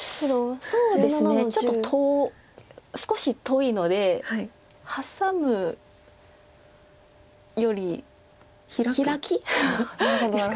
そうですねちょっと少し遠いのでハサむよりヒラキですか。